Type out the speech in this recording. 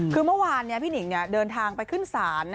คือเมื่อวานพี่หนิงเดินทางไปขึ้นศาล